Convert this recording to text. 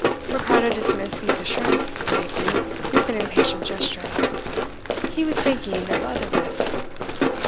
Ricardo dismissed these assurances of safety with an impatient gesture. He was thinking of other risks.